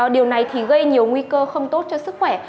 điều này thì gây nhiều nguy cơ không tốt cho sức khỏe